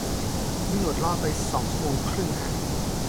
พี่หนวดล่อไปสองชั่วโมงครึ่งฮะ